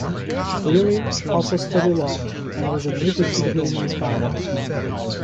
Cleary also studied law and was admitted to the Illinois bar.